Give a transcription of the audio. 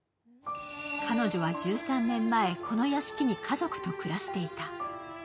彼女は１３年前、この屋敷に家族と暮らしていた。